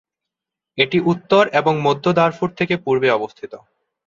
এটি উত্তর এবং মধ্য দারফুর থেকে পূর্বে অবস্থিত।